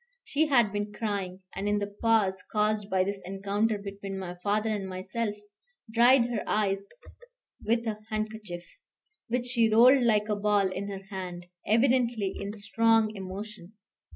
She had been crying, and in the pause caused by this encounter between my father and myself, dried her eyes with a handkerchief, which she rolled like a ball in her hand, evidently in strong emotion.